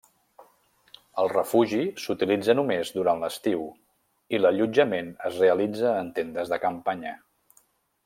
El refugi s'utilitza només durant l'estiu i l'allotjament es realitza en tendes de campanya.